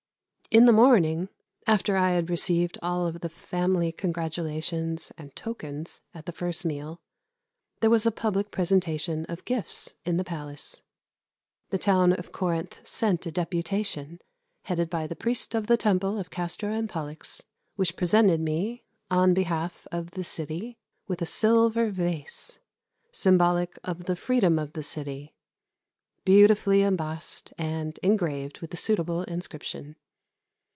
In the morning, after I had received all the family congratulations and tokens, at the first meal, there was a public presentation of gifts in the palace. The town of Corinth sent a deputation, headed by the Priest of the Temple of Castor and Pollux, which presented me, on behalf of the city, with a silver vase, symbolic of the freedom of the city, beautifully embossed, and engraved with a suitable inscription.